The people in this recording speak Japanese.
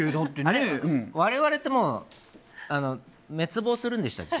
我々ってもう滅亡するんでしたっけ？